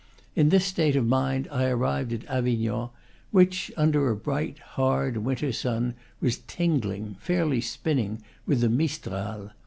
In this state of mind I arrived at Avignon, which under a bright, hard winter sun was tingling fairly spinning with the mistral.